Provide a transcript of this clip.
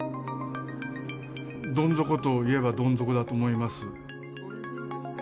どん底といえばどん底だと思います。